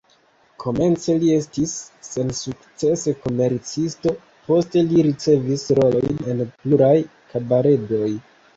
Komence li estis sensukcese komercisto, poste li ricevis rolojn en pluraj kabaredoj.